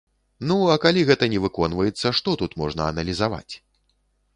Ну, а калі гэта не выконваецца, што тут можна аналізаваць?